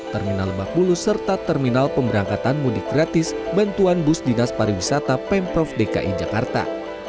terminal lebak bulus serta terminal pemberangkatan mudik gratis bantuan bus dinas pariwisata pemprov dki jakarta